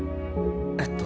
えっと。